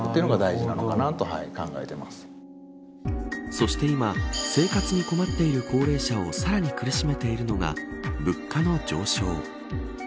そして今生活に困っている高齢者をさらに苦しめているのが物価の上昇。